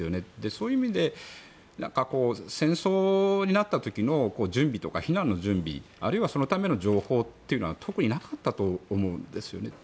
そういう意味で戦争になった時の準備とか避難の準備、あるいはそのための情報っていうのは特になかったと思うんです。